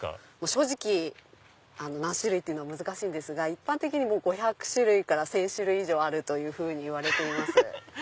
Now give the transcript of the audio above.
正直何種類というのは難しいんですが一般的に５００種類から１０００種類以上あるといわれてます。